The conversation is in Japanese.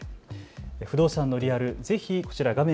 不動産のリアル、ぜひこちら画面